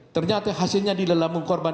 ternyata hasilnya di lelamu korban